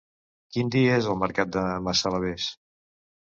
Quin dia és el mercat de Massalavés?